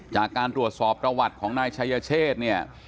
จากการตรวจสอบประวัติของนายชายเชษเนี่ย